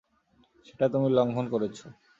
সেটা তুমি লঙ্ঘন করেছ।